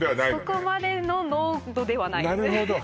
そこまでの濃度ではないなるほど